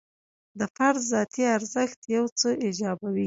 د فرد ذاتي ارزښت یو څه ایجابوي.